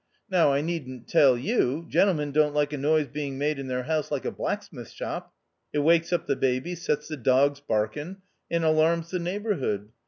Now, I needn't tell you, gen tlemen don't like a noise being made in their house like a blacksmith's shop ; it wakes up the baby, sets the dogs barking, and alarms the neighbourhood.